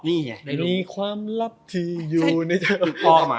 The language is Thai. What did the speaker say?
นี่ไงมีความลับที่อยู่ในเจ้า